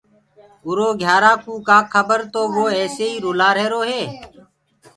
اُرو گھيارآ ڪوُ ڪآ کبر تو وو ايسي ئي رُلآ رهيرو هي۔